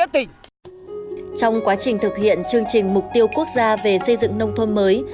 trong quá trình thực hiện chương trình mục tiêu quốc gia về xây dựng nông thôn mới